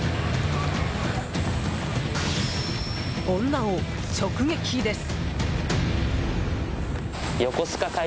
女を直撃です。